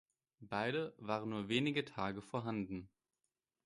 Beide waren nur wenige Tage vorhanden.